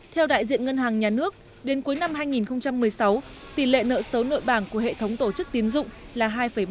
theo đại diện ngân hàng nhà nước đến cuối năm hai nghìn một mươi sáu tỷ lệ nợ xấu nội bảng của hệ thống tổ chức tiến dụng là hai bảy